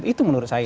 itu menurut saya